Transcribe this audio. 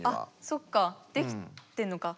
そっかできてんのか。